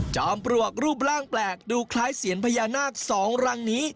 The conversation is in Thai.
ปลวกรูปร่างแปลกดูคล้ายเสียนพญานาคสองรังนี้